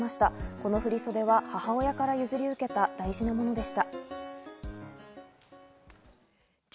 この振り袖は母親から譲り受けた大事なものでした。